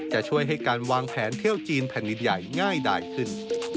จะช่วยให้การวางแผนเที่ยวจีนแผ่นดินใหญ่ง่ายดายขึ้น